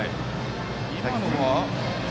今のは。